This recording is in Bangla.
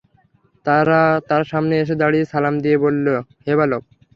তারা তার সামনে এসে দাঁড়িয়ে সালাম দিয়ে বলল, হে বালক!